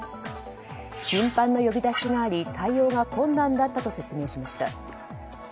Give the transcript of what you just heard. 頻繁な呼び出しがあり対応が困難だったということです。